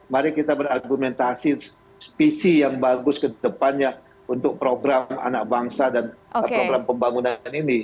mari kita berargumentasi visi yang bagus ke depannya untuk program anak bangsa dan program pembangunan ini